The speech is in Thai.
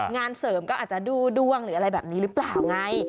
งานเสริมก็อาจจะดูดวงหรืออะไรแบบนี้หรือเปล่าไง